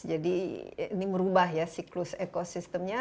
jadi ini merubah ya siklus ekosistemnya